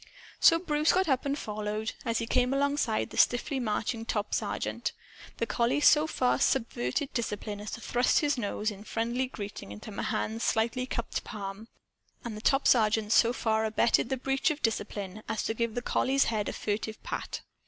So Bruce got up and followed. As he came alongside the stiffly marching top sergeant, the collie so far subverted discipline as to thrust his nose, in friendly greeting, into Mahan's slightly cupped palm. And the top sergeant so far abetted the breach of discipline as to give the collie's head a furtive pat.